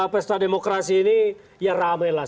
pesta demokrasi ini ya rame lah